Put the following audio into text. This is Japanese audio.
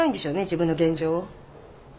自分の現状を。